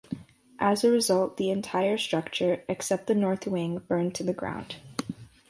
As a result, the entire structure, except the north wing, burned to the ground.